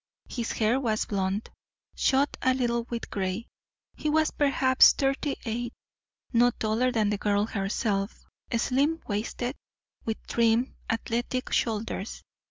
His hair was blond, shot a little with gray. He was perhaps thirty eight, no taller than the girl herself, slim waisted, with trim, athletic shoulders.